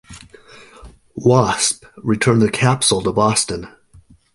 "Wasp" returned their capsule to Boston.